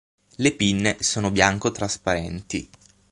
Le pinne sono bianco-trasparenti.